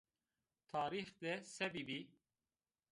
Tarîx de se bîbî?